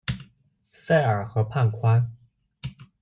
塞尔河畔宽。